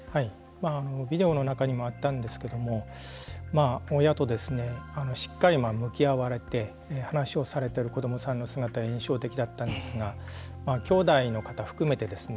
ビデオの中にもあったんですけれども親としっかり向き合われて話をされてる子どもさんの姿が印象的だったんですがきょうだいの方含めてですね